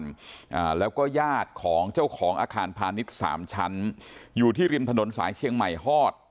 อ่าแล้วก็ญาติของเจ้าของอาคารพาณิชย์สามชั้นอยู่ที่ริมถนนสายเชียงใหม่ฮอด